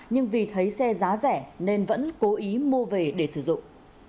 nhưng vì thấy xe giá rẻ nên vẫn cố ý mua về để sử dụng